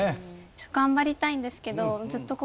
頑張りたいんですけど。